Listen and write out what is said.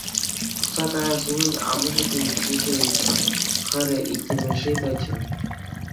Тухса каяс умӗн амӑшӗ темиҫе те ыйтрӗ, хӗрӗ илтмӗше печӗ.